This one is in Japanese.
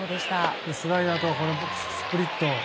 スライダーとスプリット。